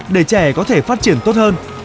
để trẻ có thể phát triển tốt hơn